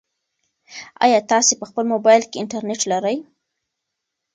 ایا تاسي په خپل موبایل کې انټرنيټ لرئ؟